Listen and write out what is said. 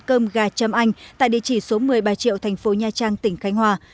cơm gà châm anh tại địa chỉ số một mươi ba triệu tp nha trang tỉnh khánh hòa